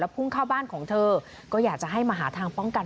พุ่งเข้าบ้านของเธอก็อยากจะให้มาหาทางป้องกัน